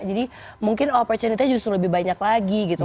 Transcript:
jadi mungkin opportunity nya justru lebih banyak lagi gitu